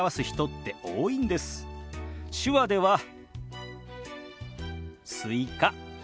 手話では「スイカ」。